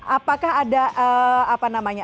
apakah ada apa namanya